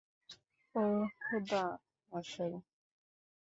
ওহ, খোদা, মশাই!